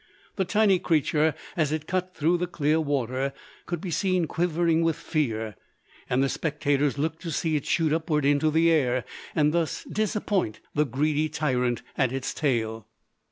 The tiny creature, as it cut through the clear water, could be seen quivering with fear; and the spectators looked to see it shoot upward into the air, and thus disappoint the greedy tyrant at its tail.